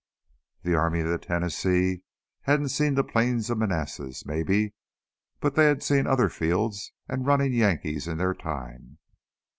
The Army of the Tennessee hadn't seen the Plains of Manassas, maybe, but they had seen other fields and running Yankees in their time.